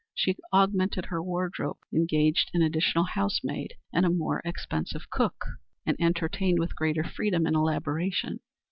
She augmented her wardrobe, engaged an additional house maid and a more expensive cook, and entertained with greater freedom and elaboration.